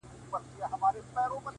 • درد بايد درک کړل سي تل,